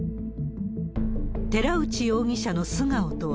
寺内容疑者の素顔とは。